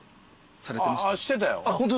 してたよ。